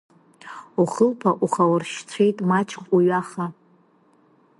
Ухылԥа ухауршьшьцәеит, маҷк уҩаха.